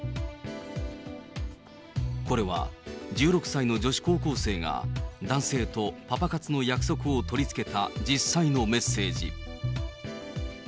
これは１６歳の女子高校生が、男性とパパ活の約束を取り付けた実際のメッセージ。